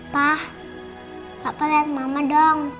pak pak pelan mama dong